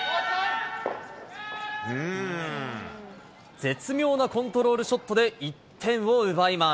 絶妙なコントロールショットで１点を奪います。